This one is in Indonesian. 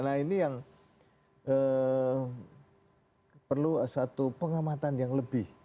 nah ini yang perlu satu pengamatan yang lebih